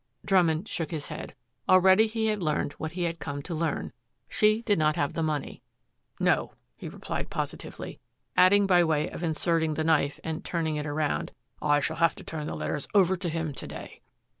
Drummond shook his head. Already he had learned what he had come to learn. She did not have the money. "No," he replied positively, adding, by way of inserting the knife and turning it around, "I shall have to turn the letters over to him to day."